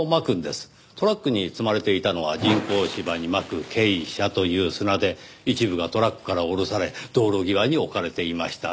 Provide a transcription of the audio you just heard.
トラックに積まれていたのは人工芝にまく珪砂という砂で一部がトラックから降ろされ道路際に置かれていました。